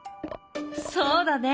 そうだね。